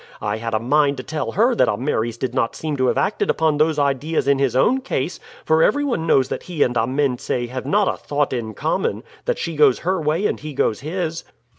I had a mind to tell her that Ameres did not seem to have acted upon those ideas in his own case, for everyone knows that he and Amense have not a thought in common that she goes her way and he goes his."